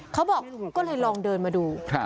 เพื่อนบ้านเจ้าหน้าที่อำรวจกู้ภัย